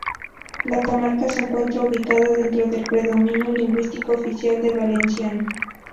La comarca se encuentra ubicada dentro del predominio lingüístico oficial del valenciano.